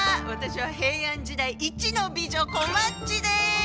私は平安時代イチの美女こまっちです。